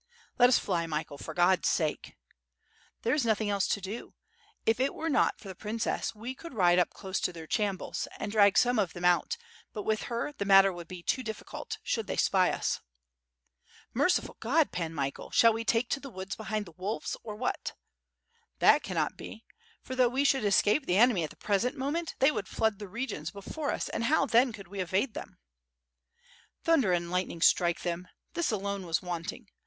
"Let us fly, Michael, for God's sake." "There is nothing else to do. If it were not for the prin cess, we could ride up close to their chambuls, and drag some of them out, but with her, the matter would be too difficult, should they spy us." Merciful God, Pan Michael, shall we take to the woods behind the wolves, or what?" "That cannot be, for though we should escape the enemy at the present moment, they would flood the regions before us, and how then could we evade them?" "Thunder and lightning strike them. This alone was want inff.